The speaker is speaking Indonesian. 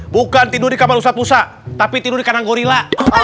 bukan tidur di kamar ustadz musa tapi tidur di kanan gorila